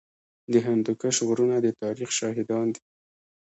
د هندوکش غرونه د تاریخ شاهدان دي